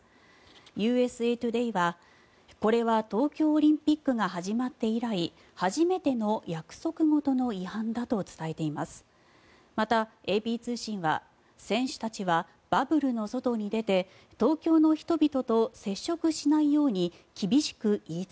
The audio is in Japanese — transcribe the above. ＵＳＡトゥデーはこれは東京オリンピックが始まって以来初めての約束事の違反だと伝えています。